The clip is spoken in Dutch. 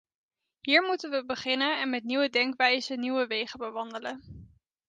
Hier moeten we beginnen en met nieuwe denkwijzen nieuwe wegen bewandelen.